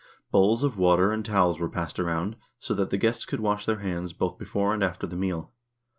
Bowls of water and towels were passed around, so that the guests could wash their hands both before and after the meal.